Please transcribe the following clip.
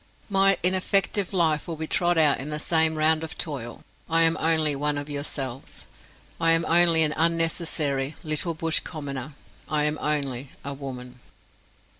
My ineffective life will be trod out in the same round of toil I am only one of yourselves, I am only an unnecessary, little, bush commoner, I am only a woman!